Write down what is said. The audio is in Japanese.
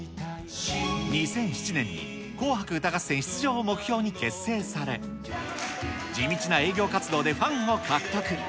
２００７年に紅白歌合戦出場を目標に結成され、地道な営業活動でファンを獲得。